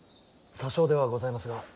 些少ではございますが。